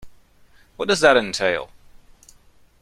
What does that entail?